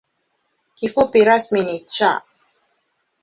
Kifupi rasmi ni ‘Cha’.